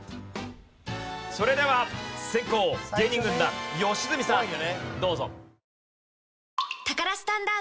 それでは先攻芸人軍団吉住さんどうぞ。